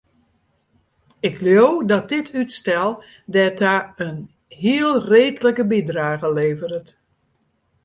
Ik leau dat dit útstel dêrta in heel reedlike bydrage leveret.